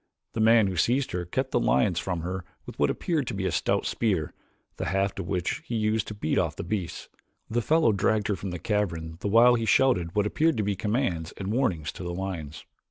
The man who seized her kept the lions from her with what appeared to be a stout spear, the haft of which he used to beat off the beasts. The fellow dragged her from the cavern the while he shouted what appeared to be commands and warnings to the lions.